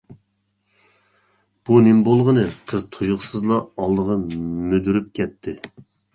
بۇ نېمە بولغىنى، قىز تۇيۇقسىزلا ئالدىغا مۈدۈرۈپ كەتتى.